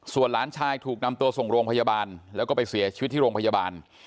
ส่วนหลานชายถูกนำตัวส่งโรงพยาบาลแล้วก็ไปเสียชีวิตที่โรงพยาบาล